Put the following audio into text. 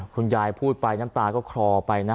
คุณยายพูดไปน้ำตาก็คลอไปนะ